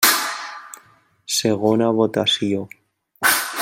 Segona votació.